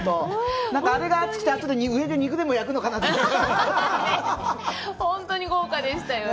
あれが熱くてあとで上で肉でも焼くのかなほんとに豪華でしたよね